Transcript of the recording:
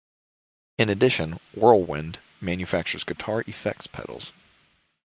In addition, Whirlwind manufactures guitar effects pedals.